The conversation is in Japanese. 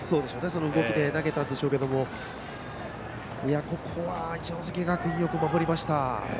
その動きで投げたんでしょうけどここは一関学院、よく守りました。